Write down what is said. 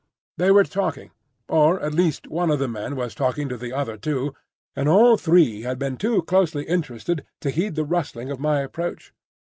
They were talking, or at least one of the men was talking to the other two, and all three had been too closely interested to heed the rustling of my approach.